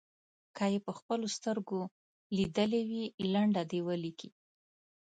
که یې په خپلو سترګو لیدلې وي لنډه دې ولیکي.